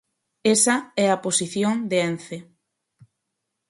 Esa é a posición de Ence.